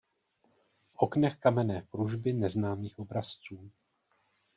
V oknech kamenné kružby neznámých obrazců.